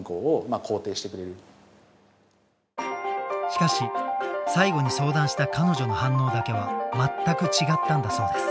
しかし最後に相談した彼女の反応だけは全く違ったんだそうです。